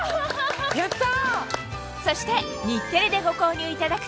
やった！